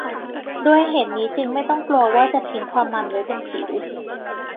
ด้วยเหตุนี้จึงไม่ต้องกลัวว่าจะทิ้งความมันไว้บนผิว